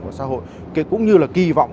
của xã hội cũng như là kỳ vọng